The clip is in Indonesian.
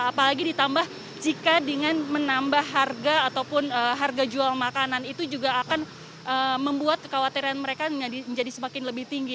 apalagi ditambah jika dengan menambah harga ataupun harga jual makanan itu juga akan membuat kekhawatiran mereka menjadi semakin lebih tinggi